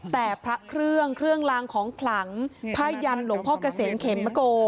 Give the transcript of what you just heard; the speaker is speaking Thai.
แต่พระเครื่องเครื่องลางของขลังผ้ายันหลวงพ่อเกษมเขมโก